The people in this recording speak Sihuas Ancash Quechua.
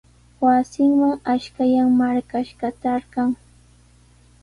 Wasinman ashkallan marqashqa trarqan.